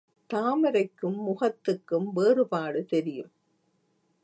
தாமரைக்கும் முகத்துக்கும் வேறுபாடு தெரியும்.